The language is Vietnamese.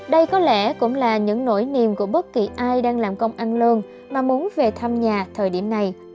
đây có lẽ cũng là những nỗi niềm của bất kỳ ai đang làm công ăn lương mà muốn về thăm nhà thời điểm này